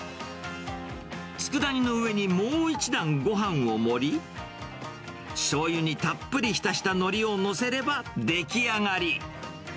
つくだ煮の上にもう一段、ごはんを盛り、しょうゆにたっぷり浸したのりを載せれば、出来上がり。